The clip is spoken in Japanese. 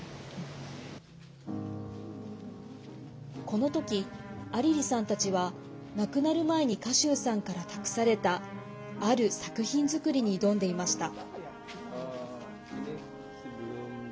このとき、アリリさんたちは亡くなる前に賀集さんから託されたある作品作りに挑んでいました。